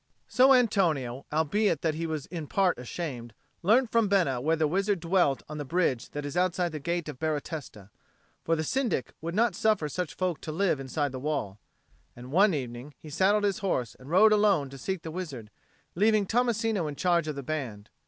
So Antonio, albeit that he was in part ashamed, learnt from Bena where the wizard dwelt on the bridge that is outside the gate of Baratesta for the Syndic would not suffer such folk to live inside the wall and one evening he saddled his horse and rode alone to seek the wizard, leaving Tommasino in charge of the band.